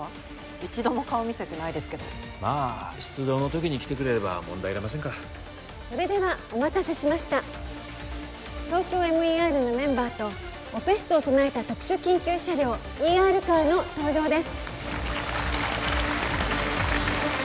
一度も顔見せてないですけどまあ出動の時に来てくれれば問題ありませんからそれではお待たせしましたＴＯＫＹＯＭＥＲのメンバーとオペ室を備えた特殊緊急車両ＥＲカーの登場です